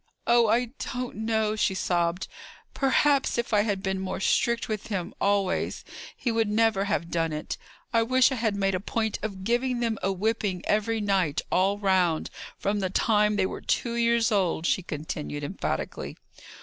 "Oh, I don't know," she sobbed. "Perhaps, if I had been more strict with him always, he would never have done it. I wish I had made a point of giving them a whipping every night, all round, from the time they were two years old!" she continued, emphatically.